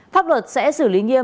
pháp luật sẽ xử lý nghiêm